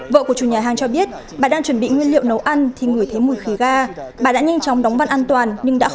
vợ của chủ nhà hàng cho biết bà đang chuẩn bị nguyên liệu nấu ăn